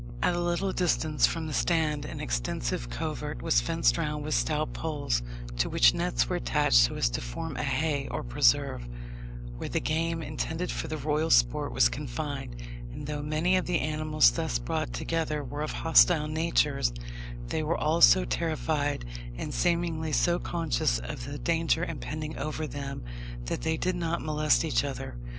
At a little distance from the stand an extensive covert was fenced round with stout poles, to which nets were attached so as to form a haye or preserve, where the game intended for the royal sport was confined; and though many of the animals thus brought together were of hostile natures, they were all so terrified, and seemingly so conscious of the danger impending over them, that they did not molest each other.